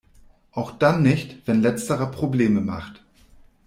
Auch dann nicht, wenn letzterer Probleme macht.